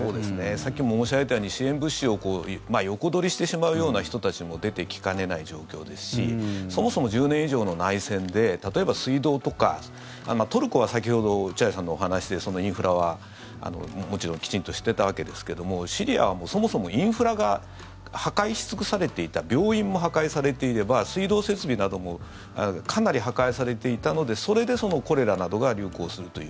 さっきも申し上げたように支援物資を横取りしてしまうような人たちも出てきかねない状況ですしそもそも１０年以上の内戦で例えば、水道とかトルコは先ほど落合さんのお話でインフラはもちろんきちんとしてたわけですけどもシリアはそもそもインフラが破壊し尽くされていた病院も破壊されていれば水道設備などもかなり破壊されていたのでそれでコレラなどが流行するという。